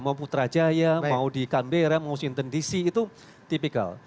mau putrajaya mau di canberra mau shington dc itu tipikal